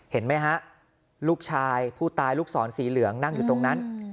เห็นไหมฮะลูกชายผู้ตายลูกศรสีเหลืองนั่งอยู่ตรงนั้น